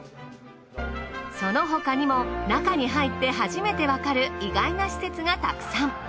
その他にも中に入って初めてわかる意外な施設がたくさん。